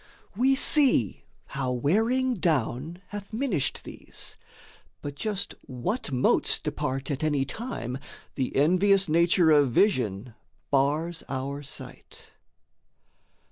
We see how wearing down hath minished these, But just what motes depart at any time, The envious nature of vision bars our sight.